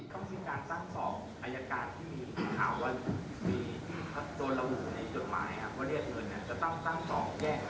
ต้องมีการสร้างสอบอายการที่มีข่าวว่ามีโจรหลวงในจดหมาย